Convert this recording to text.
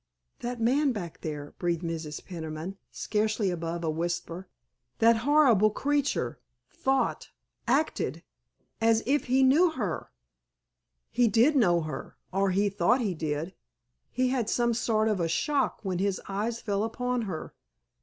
"That man back there," breathed Mrs. Peniman, scarcely above a whisper, "that horrible creature—thought—acted—as if he knew her!" "He did know her—or he thought he did! He had some sort of a shock when his eyes fell upon her.